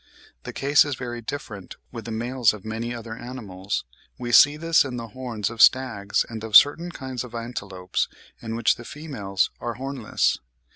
The case is very different with the males of many other animals. We see this in the horns of stags and of certain kinds of antelopes in which the females are hornless.